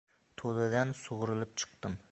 To‘dadan sug‘urilib chiqdim.